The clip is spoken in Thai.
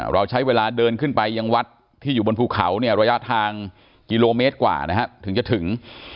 เราใช้เวลาเดินขึ้นไปยังวัดที่อยู่บนภูเขาเนี่ยระยะทางกิโลเมตรกว่านะฮะถึงจะถึง